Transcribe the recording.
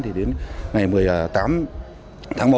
thì đến ngày một mươi tám tháng một